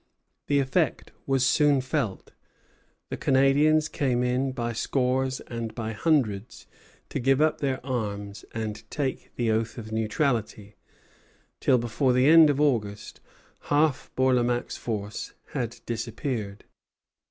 The effect was soon felt. The Canadians came in by scores and by hundreds to give up their arms and take the oath of neutrality, till, before the end of August, half Bourlamaque's force had disappeared.